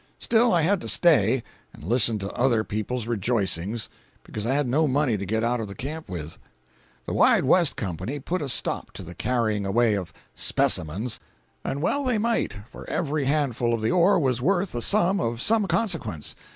Still I had to stay, and listen to other people's rejoicings, because I had no money to get out of the camp with. The Wide West company put a stop to the carrying away of "specimens," and well they might, for every handful of the ore was worth a sum of some consequence.